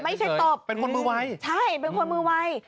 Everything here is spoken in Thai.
ไม่ใช่ตบหือเป็นคนมือไว้ใช่เป็นคนมือไว้